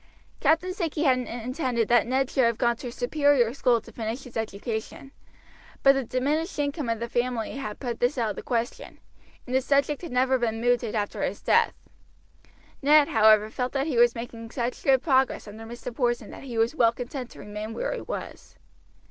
Captain Sankey had intended that Ned should have gone to a superior school to finish his education, but the diminished income of the family had put this out of the question, and the subject had never been mooted after his death. Ned, however, felt that he was making such good progress under Mr. Porson that he was well content to remain where he was.